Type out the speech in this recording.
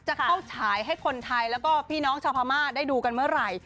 จะเข้าฉายให้คนไทยแล้วก็พี่น้องชาวพม่าได้ดูกันเมื่อไหร่